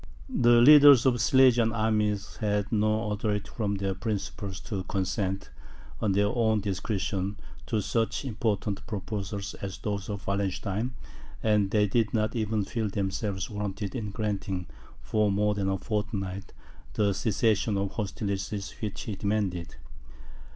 The leaders of the Silesian armies had no authority from their principals to consent, on their own discretion, to such important proposals as those of Wallenstein, and they did not even feel themselves warranted in granting, for more than a fortnight, the cessation of hostilities which he demanded.